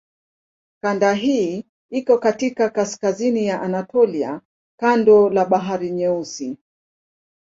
Kanda hii iko katika kaskazini ya Anatolia kando la Bahari Nyeusi.